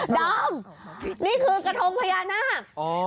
ดอมนี่คือกระทงพญานาค